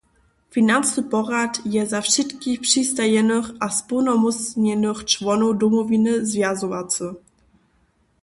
Financny porjad je za wšitkich přistajenych a społnomócnjenych čłonow Domowiny zwjazowacy.